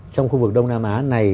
trong khu vực đông nam á này